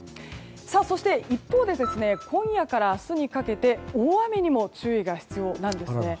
そして一方で今夜から明日にかけて大雨にも注意が必要なんです。